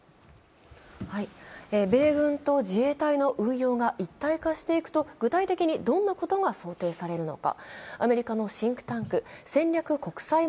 米軍と自衛隊の運用が一体化していくと、具体的にどんなことが想定されるのか。